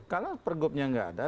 kalau pergubnya nggak ada